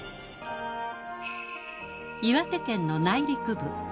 岩手県の内陸部。